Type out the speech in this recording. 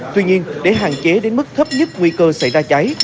tuy nhiên để hạn chế đến mức thấp nhất nguy cơ xảy ra cháy